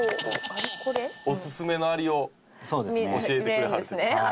オススメのアリを教えてくれはる。